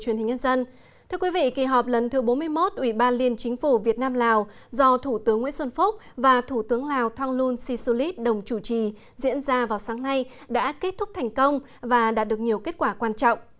chương trình kỳ họp lần thứ bốn mươi một ủy ban liên chính phủ việt nam lào do thủ tướng nguyễn xuân phúc và thủ tướng lào thonglun sisulit đồng chủ trì diễn ra vào sáng nay đã kết thúc thành công và đạt được nhiều kết quả quan trọng